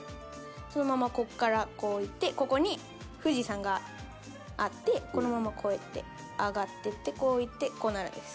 そのままここからこういってここに富士山があってこのままこうやって上がっていってこういってこうなるんです。